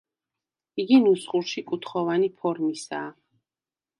იგი ნუსხურში კუთხოვანი ფორმისაა.